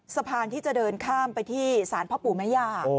สะพานที่จะเดินข้ามไปที่ศาลพ่อปู่แม่ย่า